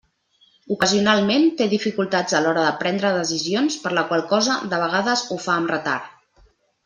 Ocasionalment té dificultats a l'hora de prendre decisions, per la qual cosa, de vegades ho fa amb retard.